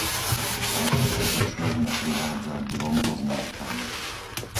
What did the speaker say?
Táto skutočnosť ma privádza k dvom poznámkam.